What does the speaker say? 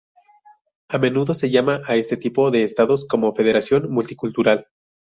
A menudo se llama a este tipo de Estados como Federación Multicultural.